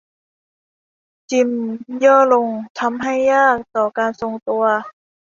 จิมย่อลงทำให้ยากต่อการทรงตัว